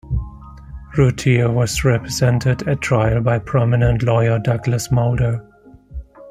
Routier was represented at trial by prominent lawyer Douglas Mulder.